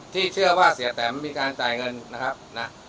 ที่เชื่อว่าเสียแตมมีการจ่ายเงินนะครับนะ